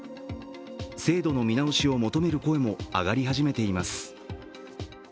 制度の見直しを求める声も上がり始めています